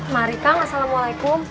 mari kang assalamualaikum